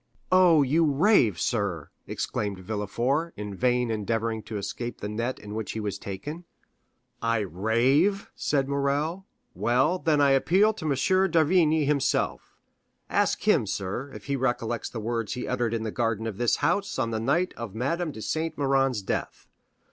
"Oh, you rave, sir," exclaimed Villefort, in vain endeavoring to escape the net in which he was taken. 50095m "I rave?" said Morrel; "well, then, I appeal to M. d'Avrigny himself. Ask him, sir, if he recollects the words he uttered in the garden of this house on the night of Madame de Saint Méran's death.